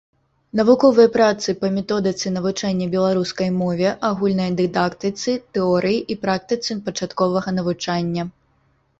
Навуковыя працы па методыцы навучання беларускай мове, агульнай дыдактыцы, тэорыі і практыцы пачатковага навучання.